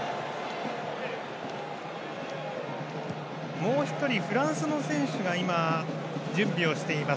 もう１人、フランスの選手が今準備しています。